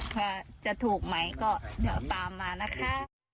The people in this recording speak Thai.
ถ้าจะถูกไหมก็เดี๋ยวตามมานะคะ